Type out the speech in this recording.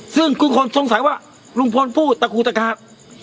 ซึ่งทุกคนสงสัยว่าลุงพลพูดตะกูตะขาบ